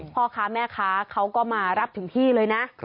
พ่อค้าแม่ค้าเขาก็มารับถึงที่เลยนะ